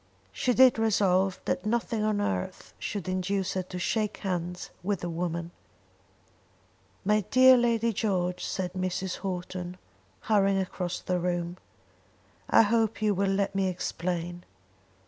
She did resolve that nothing on earth should induce her to shake hands with the woman. "My dear Lady George," said Mrs. Houghton, hurrying across the room, "I hope you will let me explain."